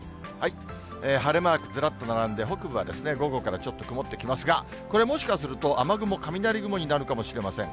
晴れマークずらっと並んで、北部は午後からちょっと曇ってきますが、これ、もしかすると、雨雲、雷雲になるかもしれません。